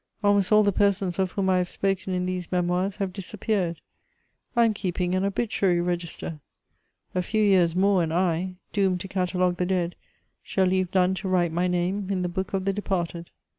Almost all the persons of whom I have spoken in these Memoirs have disappeared; I am keeping an obituary register. A few years more and I, doomed to catalogue the dead, shall leave none to write my name in the book of the departed.